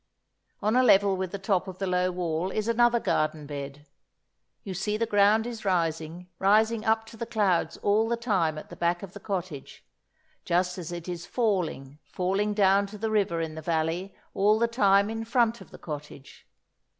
On a level with the top of the low wall is another garden bed. You see the ground is rising, rising up to the clouds all the time at the back of the cottage, just as it is falling, falling down to the river in the valley all the time in front of the cottage.